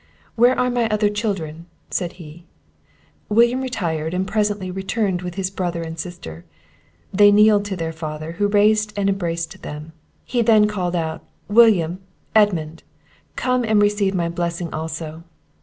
"Where are my other children?" said he. William retired, and presently returned with his brother and sister. They kneeled to their father, who raised and embraced them. He then called out, "William! Edmund! come and receive my blessing also."